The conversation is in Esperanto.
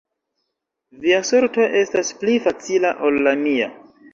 Via sorto estas pli facila ol la mia.